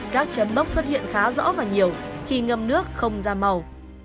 các chấm bốc xuất hiện khá rõ và nhiều khi ngâm nước không ra màu